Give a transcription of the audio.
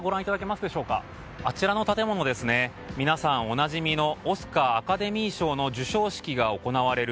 あちらの建物、皆さんおなじみのオスカーアカデミー賞の授賞式が行われる